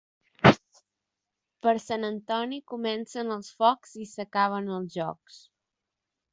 Per Sant Antoni comencen els focs i s'acaben els jocs.